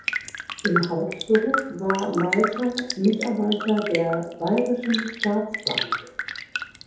Im Hauptberuf war Malter Mitarbeiter der Bayerischen Staatsbank.